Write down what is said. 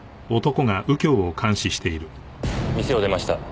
店を出ました。